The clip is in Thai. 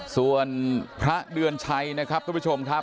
ส่วนพระเดือนชัยนะครับทุกผู้ชมครับ